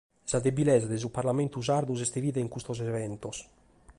Sa debilesa de su parlamentu sardu s’est bida in custos eventos.